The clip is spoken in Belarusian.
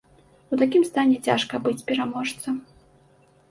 У такім стане цяжка быць пераможцам.